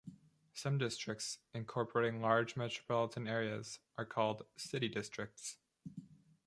Some districts, incorporating large metropolitan areas, are called "City Districts".